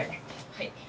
はい。